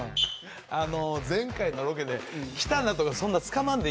あの前回のロケで「きたな」とかそんなつかまんでいいのよ。